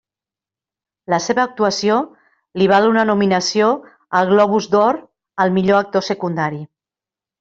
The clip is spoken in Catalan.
La seva actuació li val una nominació al Globus d'Or al millor actor secundari.